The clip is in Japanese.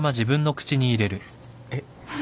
えっ？